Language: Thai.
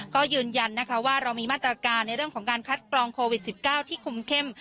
ก็ยืนยันนะคะว่าเรามีมาตรการในเรื่องของการคัดกรองโควิด๑๙ที่คุมเข้ม